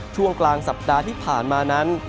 ช่วงกลางสัปดาห์ที่ผ่านมานั้น